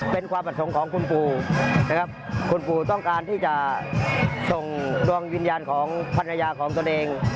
เป็นความประสงค์ของคุณปู่นะครับคุณปู่ต้องการที่จะส่งดวงวิญญาณของภรรยาของตนเอง